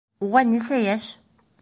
Уға нисә йәш?